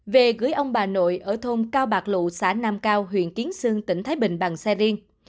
về gửi ông bà nội ở thôn cao bạc lụ xã nam cao huyện kiến sương tỉnh thái bình bằng xe riêng